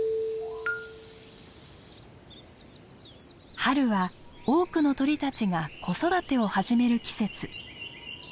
春は多くの鳥たちが子育てを始める季節。